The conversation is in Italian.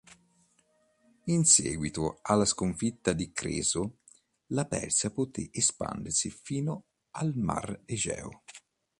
In seguito alla sconfitta di Creso, la Persia poté espandersi fino al Mar Egeo.